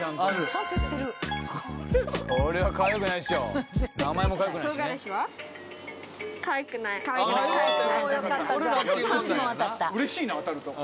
うれしいな当たると。